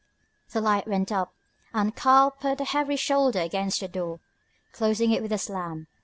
The light went up, and Karl put a heavy shoulder against the door, closing it with a slam.